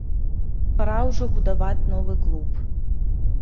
Пара ўжо будаваць новы клуб.